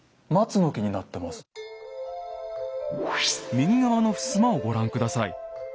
右側のふすまをご覧下さい。